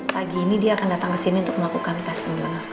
pagi ini dia akan datang ke sini untuk melakukan tes penjualan